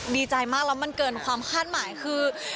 ดีใจมากแล้วมันเกินความคาดหมายคือ